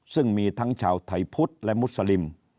ซึ่งมีทั้งชาวไทยพุทธและมุสลิม